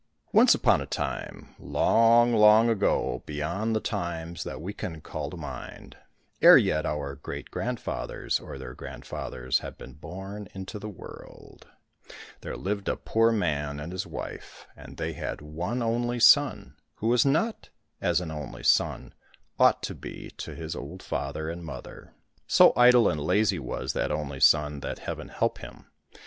Once upon a time, long long ago, beyond the times that we can call to mind, ere yet our great grandfathers or their grandfathers had been born into the world, there lived a poor man and his wife, and they had one only son, who was not as an only son ought to be to his old father and mother. So idle and lazy was that only son that Heaven help him